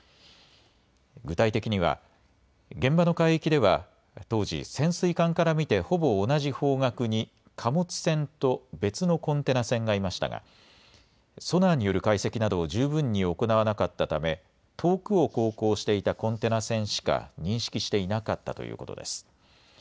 具体的には現場の海域では当時、潜水艦から見てほぼ同じ方角に貨物船と別のコンテナ船がいましたがソナーによる解析などを十分に行わなかったため遠くを航行していたコンテナ船しか認識していなかったということです。